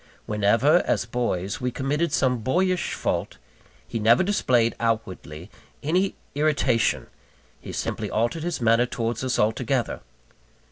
Whenever, as boys, we committed some boyish fault, he never displayed outwardly any irritation he simply altered his manner towards us altogether.